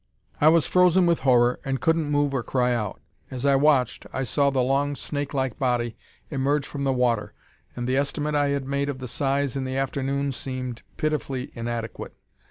"I was frozen with horror and couldn't move or cry out. As I watched, I saw the long snake like body emerge from the water, and the estimate I had made of the size in the afternoon seemed pitifully inadequate.